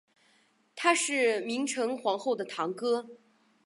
他是明成皇后的堂哥。